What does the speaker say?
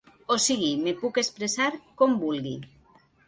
O sigui, me puc expressar com vulgui.